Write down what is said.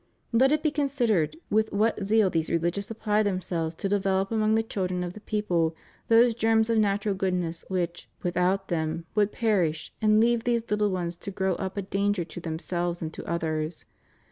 Let it be considered with what zeal these religious apply themselves to de velop among the children of the people those germs of natural goodness which, without them, would perish and leave these httle ones to grow up a danger to themselves and to others.